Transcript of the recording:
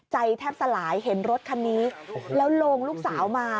ใจแทบสลายเห็นรถคันนี้แล้วโลงลูกสาวมา